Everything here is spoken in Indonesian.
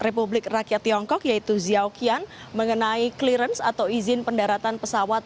republik rakyat tiongkok yaitu ziaokian mengenai clearance atau izin pendaratan pesawat